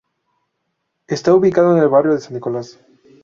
Está ubicado en el barrio de San Nicolás.